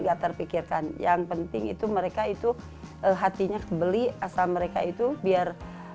gak terpikirkan yang penting itu mereka itu hatinya kebeli asal mereka itu biar